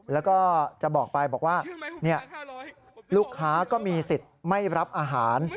แล้วก็จะบอกไปบอกว่าลูกค้าก็มีสิทธิ์ไม่รับอาหาร